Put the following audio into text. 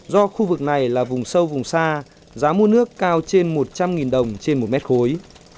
do khu vực này là vùng sâu vùng xa giá mua nước cao trên một trăm linh đồng trên một mét khối